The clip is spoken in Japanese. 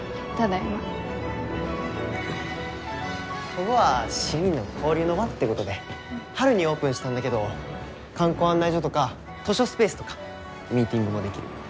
こごは市民の交流の場ってごどで春にオープンしたんだけど観光案内所とか図書スペースとか。ミーティングもできる。